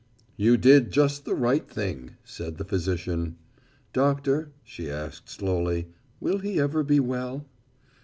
"You did just the right thing," said the physician. "Doctor," she asked slowly, "will he ever be well?"